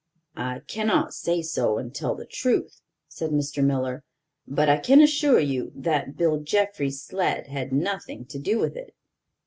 "I cannot say so and tell the truth," said Mr. Miller, "but I can assure you that Bill Jeffrey's sled had nothing to do with it."